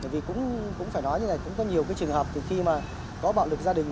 vì cũng phải nói như thế này cũng có nhiều trường hợp từ khi mà có bạo lực gia đình